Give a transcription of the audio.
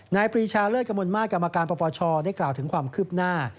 นายปริชาเลือดกำลังมากการปปชได้กล่าวถึงความคืบหน้า